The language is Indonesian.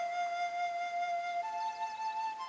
yang keertian sih aku kok berani